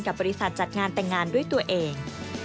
บริษัทจัดงานแต่งงานด้วยตัวเอง